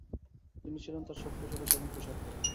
তিনি ছিলেন তার সক্রিয় সদস্য এবং কোষাধ্যক্ষ।